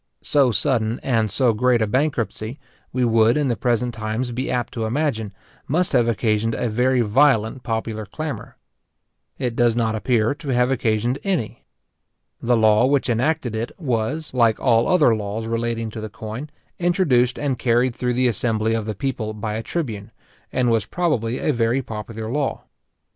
So sudden and so great a bankruptcy, we should in the present times be apt to imagine, must have occasioned a very violent popular clamour. It does not appear to have occasioned any. The law which enacted it was, like all other laws relating to the coin, introduced and carried through the assembly of the people by a tribune, and was probably a very popular law.